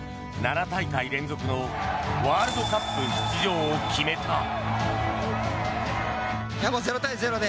７大会連続のワールドカップ出場を決めた。